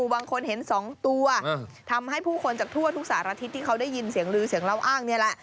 บางคนเห็น๒ตัวทำให้ผู้คนจากทั่วทุกสารทิศที่เขาได้ยินเสียงลือเสียงเล่าอ้างนี่แหละ